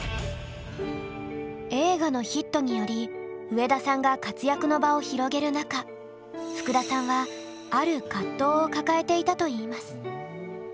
映画のヒットにより上田さんが活躍の場を広げる中ふくださんはある葛藤を抱えていたといいます。